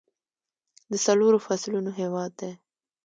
د څلورو فصلونو هیواد دی.